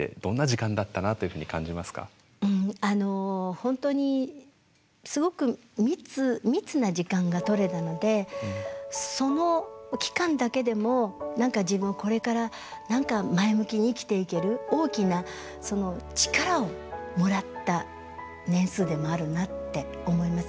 本当にすごく密密な時間が取れたのでその期間だけでも何か自分これから何か前向きに生きていける大きな力をもらった年数でもあるなって思います。